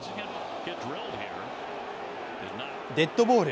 デッドボール。